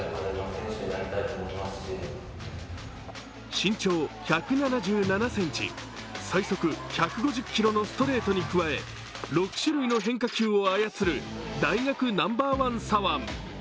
身長１７７ｃｍ、最速１５０キロのストレートに加え６種類の変化球を操る大学ナンバーワン左腕。